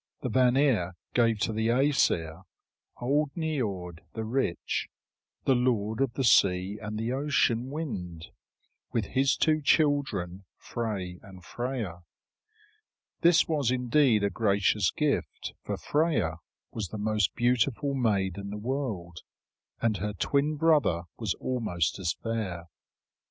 The Vanir gave to the Æsir old Niörd the rich, the lord of the sea and the ocean wind, with his two children, Frey and Freia. This was indeed a gracious gift; for Freia was the most beautiful maid in the world, and her twin brother was almost as fair.